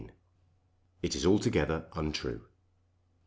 "IT IS ALTOGETHER UNTRUE."